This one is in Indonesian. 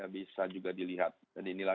bisa juga dilihat dan inilah